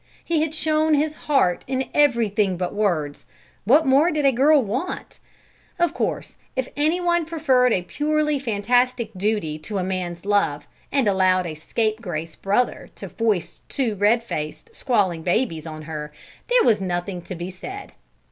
He had shown his heart in everything but words; what more did a girl want? Of course, if any one preferred a purely fantastic duty to a man's love, and allowed a scapegrace brother to foist two red faced, squalling babies on her, there was nothing to be said.